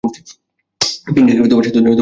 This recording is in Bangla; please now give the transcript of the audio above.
পিং হেকে সেতুতে বিষ্ফোরণ ঘটাতে বল!